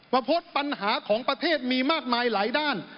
พดปัญหาของประเทศมีมากมายหลายด้าน